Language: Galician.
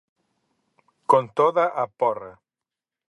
Con toda a porra.